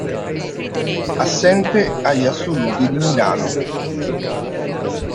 Assente agli assoluti di Milano.